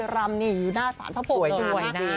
รำนี่อยู่หน้าสารพระปุกเกินมากสวยด้วยนะ